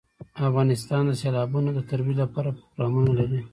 افغانستان د سیلابونه د ترویج لپاره پروګرامونه لري.